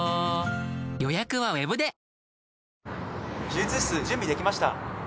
・手術室準備できました。